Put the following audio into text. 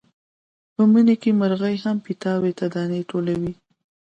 په مني کې مرغۍ هم پیتاوي ته دانې ټولوي.